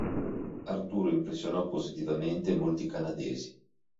Arturo impressionò positivamente molti canadesi.